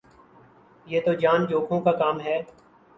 یہ تو جان جوکھوں کا کام ہے